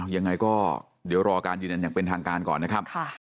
ยังไงก็เดี๋ยวรอการยืนยันอย่างเป็นทางการก่อนนะครับ